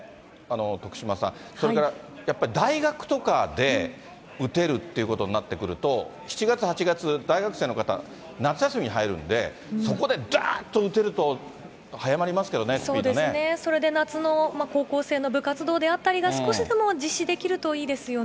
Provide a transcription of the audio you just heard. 徳島さん、それからやっぱり大学とかで打てるっていうことになってくると、７月、８月、大学生の方、夏休みに入るんで、そこでだーっと打てると、早まりますけどね、そうですね、それで夏の高校生の部活動であったりとかが、少しでも実施できるといいですよね。